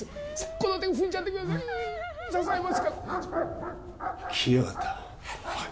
この手を踏んじゃってください支えますから来やがったおい